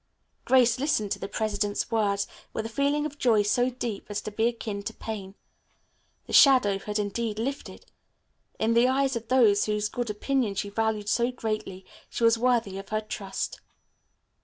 Grace listened to the president's words with a feeling of joy so deep as to be akin to pain. The shadow had indeed lifted. In the eyes of those whose good opinion she valued so greatly she was worthy of her trust.